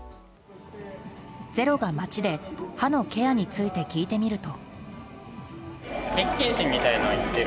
「ｚｅｒｏ」が街で歯のケアについて聞いてみると。